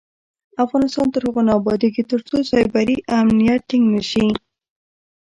افغانستان تر هغو نه ابادیږي، ترڅو سایبري امنیت ټینګ نشي.